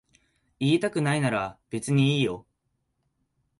言いたくないなら別にいいよ。